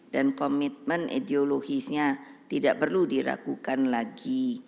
dan komitmen ideologisnya tidak perlu diragukan lagi